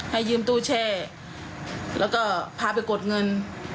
ให้ยืมตู้แช่แล้วก็พาไปกดเงิน